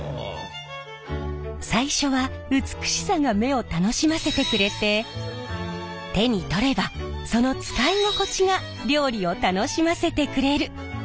最初は美しさが目を楽しませてくれて手に取ればその使い心地が料理を楽しませてくれる。